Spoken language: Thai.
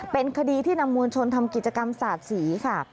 เป็นคดีที่นำมวลชนทำกิจกรรมสาดสีค่ะ